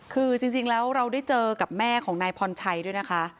คือจริงแล้วเราได้เจอกับแม่ของนายพรชัยด้วยนะคะ